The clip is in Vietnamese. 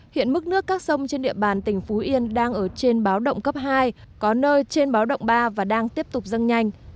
hiện mức nước các sông trên địa bàn tỉnh phú yên đang ở trên báo động cấp hai có nơi trên báo động ba và đang tiếp tục dâng nhanh